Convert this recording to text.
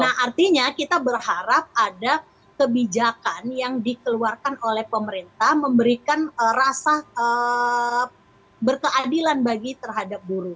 nah artinya kita berharap ada kebijakan yang dikeluarkan oleh pemerintah memberikan rasa berkeadilan bagi terhadap buruh